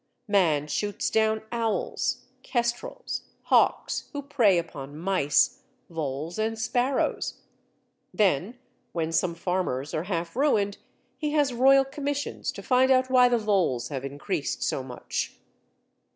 Man shoots down owls, kestrels, hawks, who prey upon mice, voles, and sparrows. Then, when some farmers are half ruined, he has Royal Commissions to find out why the voles have increased so much.